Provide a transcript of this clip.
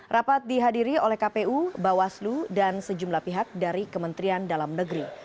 rapat dihadiri oleh kpu bawaslu dan sejumlah pihak dari kementerian dalam negeri